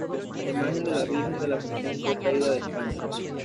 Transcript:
La imagen de la Virgen de la Asunción fue traída de España.